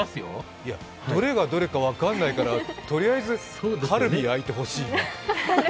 いや、どれがどれか分からないから、とりあえずカルビ焼いてほしい。